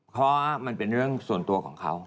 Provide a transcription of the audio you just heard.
เพราะมันเป็นเรื่องส่วนตัวของเขา